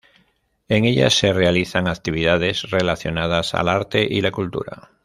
En ella se realizan actividades relacionadas al arte y la cultura.